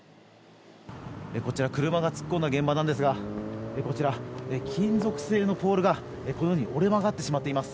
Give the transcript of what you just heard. こちら、車が突っ込んだ現場なんですが金属製のポールが折れ曲がってしまっています。